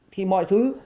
thì mọi thứ